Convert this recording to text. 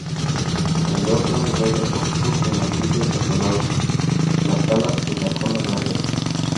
El dorso es verde oscuro con matices azulados, las las y la cola verdes.